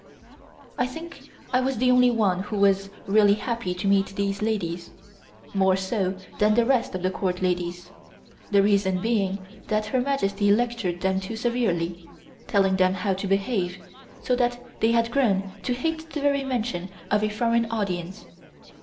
I think I was the only one who was really happy to meet these ladies, more so than the rest of the Court ladies, the reason being that Her Majesty lectured them too severely, telling them how to behave, so that they had grown to hate the very mention of a foreign audience.